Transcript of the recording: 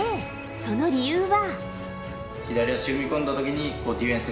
その理由は？